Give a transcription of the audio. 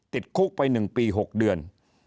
ติดคุกไป๑ปี๖เดือน